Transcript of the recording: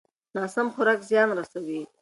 ناسم خوراک زیان رسوي.